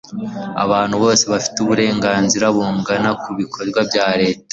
abantu bose bafite uburenganzira bungana ku bikorwa bya leta